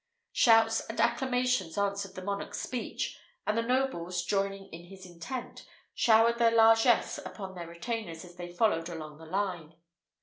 Shouts and acclamations answered the monarch's speech, and the nobles, joining in his intent, showered their largesse upon their retainers as they followed along the line.